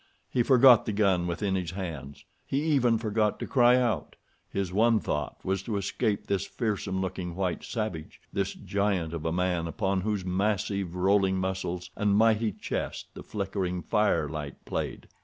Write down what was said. He forgot the gun within his hands; he even forgot to cry out—his one thought was to escape this fearsome looking white savage, this giant of a man upon whose massive rolling muscles and mighty chest the flickering firelight played.